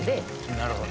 なるほど。